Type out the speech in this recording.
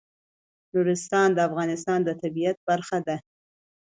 نورستان د افغانستان د طبیعت برخه ده.